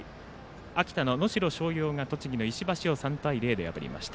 秋田の能代松陽が栃木の石橋を３対０で破りました。